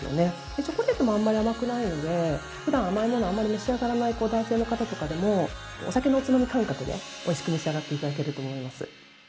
チョコレートもあまり甘くないので普段甘いものをあまり召し上がらない男性の方とかでもお酒のおつまみ感覚で、おいしく召し上がっていただけると思います。